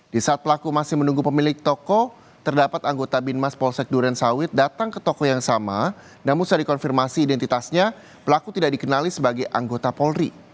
di saat pelaku masih menunggu pemilik toko terdapat anggota bin mas polsek durensawit datang ke toko yang sama namun setelah dikonfirmasi identitasnya pelaku tidak dikenali sebagai anggota polri